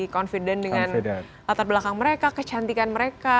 confident dengan latar belakang mereka kecantikan mereka